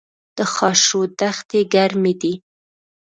د خاشرود دښتې ګرمې دي